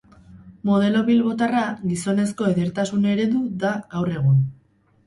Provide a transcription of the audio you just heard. Modelo bilbotarra gizonezko edertasun eredu da gaur egun.